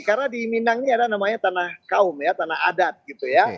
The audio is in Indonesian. karena di mindang ini ada namanya tanah kaum ya tanah adat gitu ya